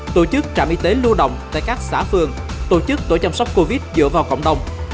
lưu động tại các xã phường tổ chức tổ chăm sóc covid dựa vào cộng đồng